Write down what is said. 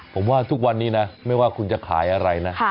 ผมว่าทุกวันนี้นะไม่ว่าคุณจะขายอะไรนะ